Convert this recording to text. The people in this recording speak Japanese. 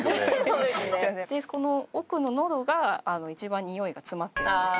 でこの奥ののどが一番匂いが詰まってるんです。